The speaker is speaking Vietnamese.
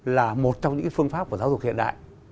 là một trong những phương pháp của giáo dục hiện đại